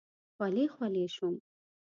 خولې خولې شوم.